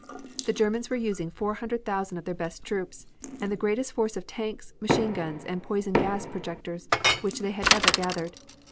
The Germans were using four hundred thousand of their best troops, and the greatest force of tanks, machine guns and poison gas projectors which they had ever gathered.